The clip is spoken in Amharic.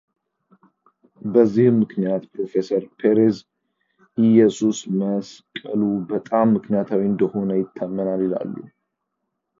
በዚህም ምክንያት ፕሮፌሰር ፔሬዝ ኢየሱስ መሰቀሉ በጣም ምክንያታዊ እንደሆነ ይታመናል ይላሉ።